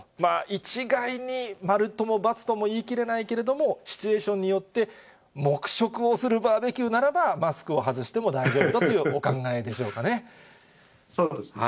一概に、〇とも×とも言い切れないけれども、シチュエーションによって、黙食をするバーベキューならば、マスクを外しても大丈夫だというそういうことですね。